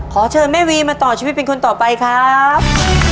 ขอเชิญแม่วีมาต่อชีวิตเป็นคนต่อไปครับ